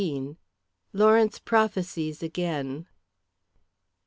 LAWRENCE PROPHESIES AGAIN.